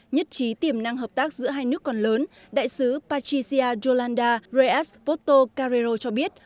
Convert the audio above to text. nhất trí tiềm năng hợp tác giữa hai nước còn lớn đại sứ patricia yolanda reyes porto carrero cho biết